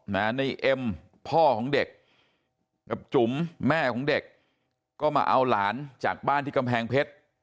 ในเอ็มพ่อของเด็กกับจุ๋มแม่ของเด็กก็มาเอาหลานจากบ้านที่กำแพงเพชร